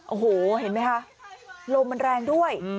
โอ้โหเห็นไหมคะลมมันแรงด้วย